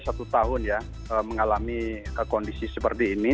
satu tahun ya mengalami kondisi seperti ini